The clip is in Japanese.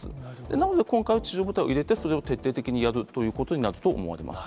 なので、今回は地上部隊を入れて、それを徹底的にやるということになると思われます。